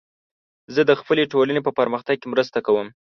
زه د خپلې ټولنې په پرمختګ کې مرسته کوم.